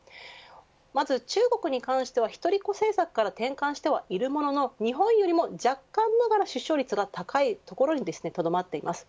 まず中国に関しては一人っ子政策から転換してはいるものの日本よりは若干の出生率が高いところにとどまっています。